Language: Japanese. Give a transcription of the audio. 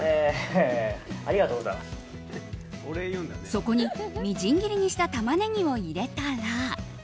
そこに、みじん切りにしたタマネギを入れたら。